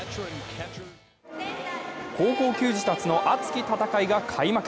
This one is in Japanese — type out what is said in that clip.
高校球児たちの熱き戦いが開幕。